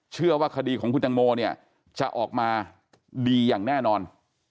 เชื่อว่าคดีของคุณตังโมเนี่ยจะออกมาดีอย่างแน่นอน